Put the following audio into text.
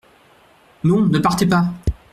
Non ! ne partez pas !